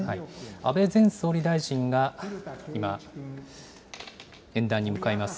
安倍前総理大臣が今、演壇に向かいます。